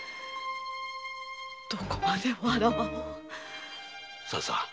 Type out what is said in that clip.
どこまでわらわをさ